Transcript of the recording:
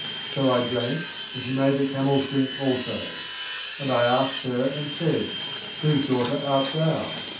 So I drank, and she made the camels drink also. 47And I asked her, and said: Whose daughter art thou?